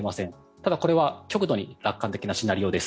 ただ、これは極度に楽観的なシナリオです。